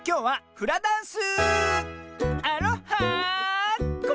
フラダンス